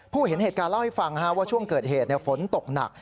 เห็นเหตุการณ์เล่าให้ฟังว่าช่วงเกิดเหตุฝนตกหนัก